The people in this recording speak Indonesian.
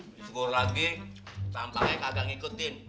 disuruh lagi tampaknya kagak ngikutin